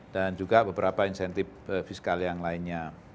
dan juga beberapa insentif fiskal yang lainnya